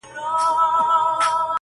ویل یې چې راورسېدې زموږ خوانه راشه